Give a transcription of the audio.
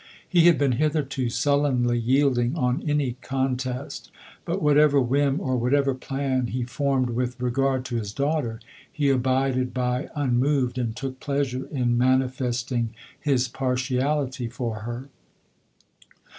He had been hitherto sullenly yielding'on any contest; but whatever whim, or whatever plan, he formed with regard to his daughter, he abided by unmoved, and took pleasure in ma nifesting his partiality for her.